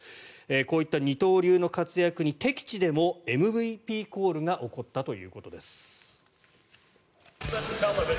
こういった二刀流の活躍に敵地でもＭＶＰコールが起こったということです。